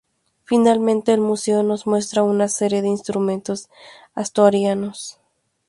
Finalmente el museo nos muestra una serie de instrumentos asturianos.